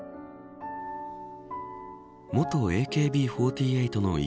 元ＡＫＢ４８の１